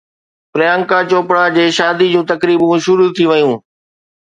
پريانڪا چوپڙا جي شادي جون تقريبون شروع ٿي ويون